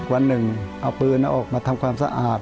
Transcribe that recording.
วันหนึ่งเอาปืนออกมาทำความสะอาด